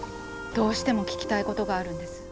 どうしても聞きたいことがあるんです。